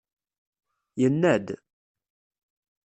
Yenna-d.